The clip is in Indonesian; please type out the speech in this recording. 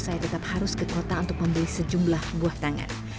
saya tetap harus ke kota untuk membeli sejumlah buah tangan